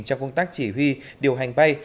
trong công tác chỉ huy điều hành bay